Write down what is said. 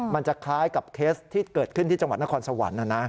มันจะคล้ายกับเคสที่เกิดขึ้นที่จังหวัดนครสวรรค์